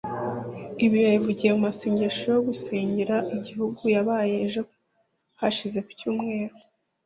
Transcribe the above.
Ibi yabivugiye mu masengesho yo gusengera igihugu yabaye ejo hashize ku Cyumweru